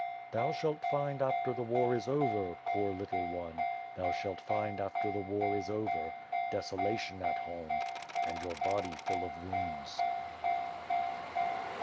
'* Thoa shalt find after the war is oyer, poor little one, Thoo shalt find after the war is over Desolation at home And yonr body ftill of wouada.